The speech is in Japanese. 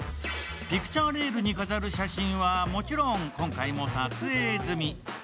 ピクチャーレールに飾る写真はもちろん今回も撮影済み。